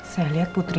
saya lihat putri